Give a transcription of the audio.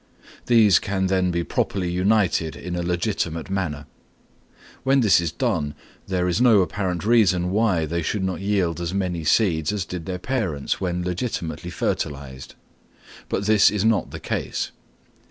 These can then be properly united in a legitimate manner. When this is done, there is no apparent reason why they should not yield as many seeds as did their parents when legitimately fertilised. But such is not the case.